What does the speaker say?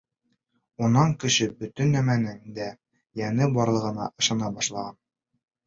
Унан кеше бөтөн нәмәнең дә йәне барлығына ышана башлаған.